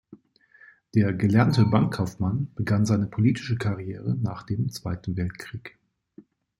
Der gelernte Bankkaufmann begann seine politische Karriere nach dem Zweiten Weltkrieg.